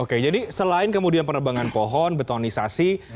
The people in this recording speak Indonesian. oke jadi selain kemudian penerbangan pohon betonisasi